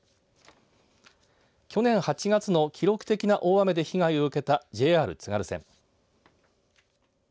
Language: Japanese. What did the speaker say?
去年８月の記録的な大雨で被害を受けたＪＲ津軽線。